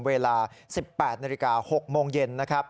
เวลา๑๘น๖โมงเย็นนะครับ